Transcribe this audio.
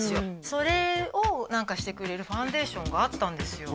それを何かしてくれるファンデーションがあったんですよ